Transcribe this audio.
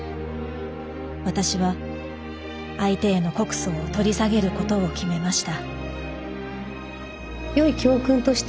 私は相手への告訴を取り下げることを決めました。